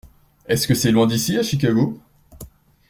Est-ce que c’est loin d’ici à Chicago ?